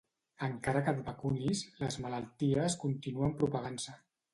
Encara que et vacunis, les malalties continuen propagant-se.